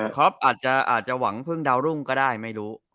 อาจจะหวังพึ่งดาวรุ่งก็ได้ไม่รู้